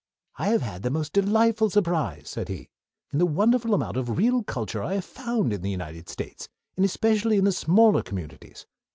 "I have had a most delightful surprise," said he, "in the wonderful amount of real culture that I have found in the United States, and especially in the smaller communities.